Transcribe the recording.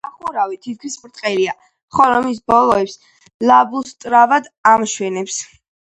სახურავი თითქმის ბრტყელია, ხოლო მის ბოლოებს ბალუსტრადა ამშვენებს.